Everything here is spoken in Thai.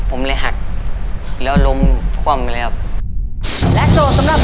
ผมเลยหักแล้วลมความเลยครับ